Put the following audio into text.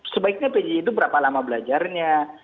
sebaiknya pj itu berapa lama belajarnya